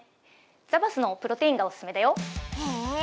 ザバスのプロテインがおすすめだよへえ